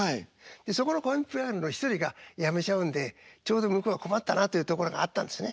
そこのコミックバンドの一人が辞めちゃうんでちょうど向こうが困ったなというところがあったんですね。